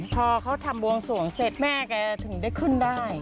พอเขาทำบวงสวงเสร็จแม่แกถึงได้ขึ้นได้